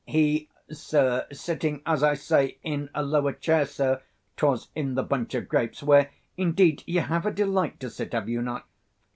He, sir, sitting, as I say, in a lower chair, sir; 'twas in the Bunch of Grapes, where, indeed, you have a delight to sit, have you not?